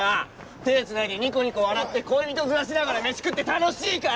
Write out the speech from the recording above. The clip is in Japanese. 手つないでニコニコ笑って恋人面しながら飯食って楽しいかよ！